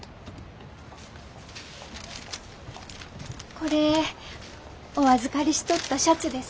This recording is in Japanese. これお預かりしとったシャツです。